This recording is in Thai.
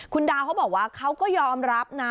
คุณดาวเขาบอกว่าเขาก็ยอมรับนะ